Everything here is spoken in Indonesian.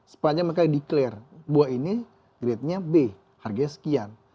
sepanjang mereka declare buah ini gradenya b harganya sekian